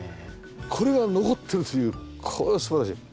これが残ってるというこれは素晴らしい。